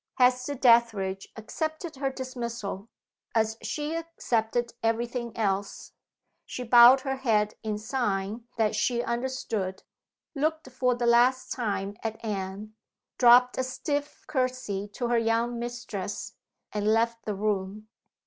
Hester Dethridge accepted her dismissal, as she accepted every thing else. She bowed her head in sign that she understood looked for the last time at Anne dropped a stiff courtesy to her young mistress and left the room.